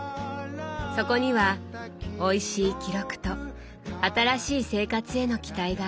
そこにはおいしい記録と新しい生活への期待が詰まっていました。